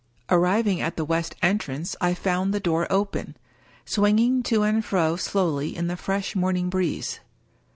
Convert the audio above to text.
Arriving at the west entrance I found the door open — swinging to and fro slowly in the fresh morning breeze.